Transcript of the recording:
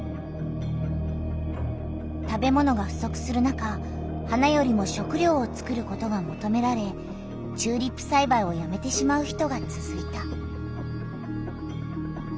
食べ物がふそくする中花よりも食りょうをつくることがもとめられチューリップさいばいをやめてしまう人がつづいた。